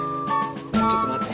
ちょっと待て。